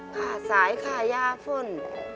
ค่ะสายค่ะย่าฝึ่น